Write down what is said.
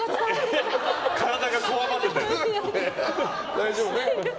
大丈夫ね。